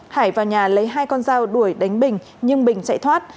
hải vào nhà lấy hai con dao đuổi đánh bình nhưng bình chạy thoát